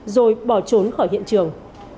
rồi bỏ trốn khỏi hiện trường